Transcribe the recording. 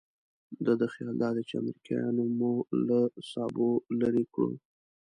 د ده خیال دادی چې امریکایانو مو له سابو لرې کړو.